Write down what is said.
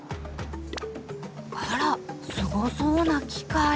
すごそうな機械。